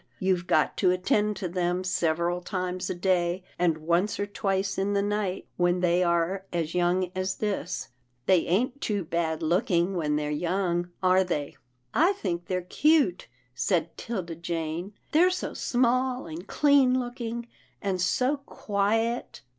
You've got to attend to them several times a day, and once or twice in the night when they are as young as this. They ain't too bad looking when they're young, are they ?"" I think they're cute," said 'Tilda Jane, " they're so small and clean looking, and so quiet."